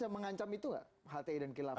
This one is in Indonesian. mengancam itu gak hti dan khilafah